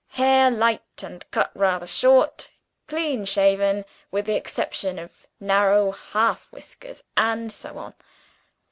Hair light, and cut rather short. Clean shaven, with the exception of narrow half whiskers' and so on.